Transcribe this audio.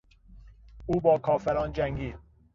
او با کافران جنگید.